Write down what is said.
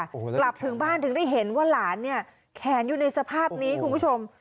กลับถึงบ้านถึงได้เห็นว่าหลานเนี่ยแขนอยู่ในสภาพนี้คุณผู้ชม